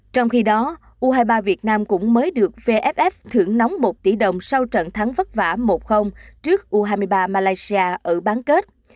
trong khi đó u hai mươi ba việt nam cũng mới được vff thưởng nóng một tỷ đồng sau trận thắng vất vả một trước u hai mươi ba malaysia ở bán kết